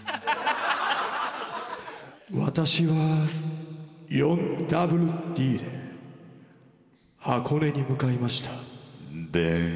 私は４ＷＤで箱根に向かいました。